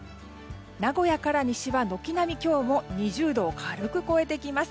名古屋から西は軒並み今日も２０度を軽く超えてきます。